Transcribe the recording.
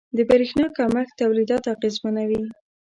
• د برېښنا کمښت تولیدات اغېزمنوي.